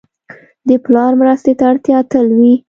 د پلار مرستې ته اړتیا تل وي.